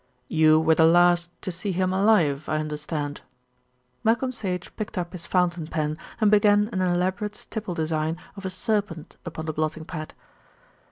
"You were the last to see him alive, I understand." Malcolm Sage picked up his fountain pen and began an elaborate stipple design of a serpent upon the blotting pad.